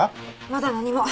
まだ何も。